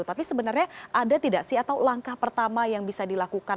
tapi sebenarnya ada tidak sih atau langkah pertama yang bisa dilakukan